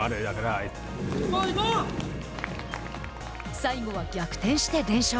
最後は逆転して連勝。